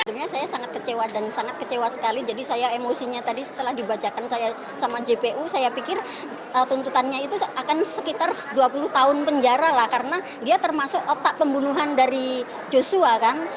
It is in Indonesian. sebenarnya saya sangat kecewa dan sangat kecewa sekali jadi saya emosinya tadi setelah dibacakan saya sama jpu saya pikir tuntutannya itu akan sekitar dua puluh tahun penjara lah karena dia termasuk otak pembunuhan dari joshua kan